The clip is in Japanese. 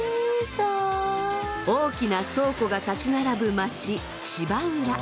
大きな倉庫が立ち並ぶ街芝浦。